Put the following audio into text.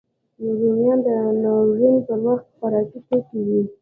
رومیان د ناورین پر وخت خوارکي توکی وي